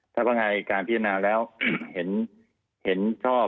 ถ้าพนักงานอายการพิจารณาแล้วเห็นชอบ